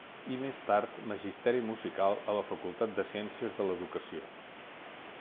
I més tard magisteri musical a la Facultat de Ciències de l'Educació.